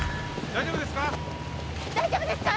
大丈夫ですか？